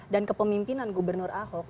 dan kepemimpinan gubernur ahok